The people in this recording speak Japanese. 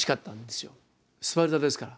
スパルタですから。